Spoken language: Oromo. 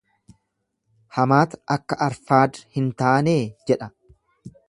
Hamaat akka Arfaad hin taanee? jedha.